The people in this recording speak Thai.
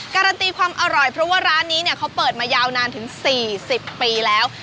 การันตีความอร่อยเพราะว่าร้านนี้เนี่ยเขาเปิดมายาวนานถึง๔๐ปีแล้ว